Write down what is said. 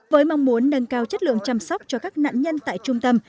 với mong muốn nâng cao chất lượng chăm sóc cho các nạn nhân tại trung tâm